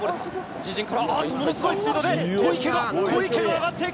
自陣から、あっ、ものすごいスピードで小池が、小池が上がっていく。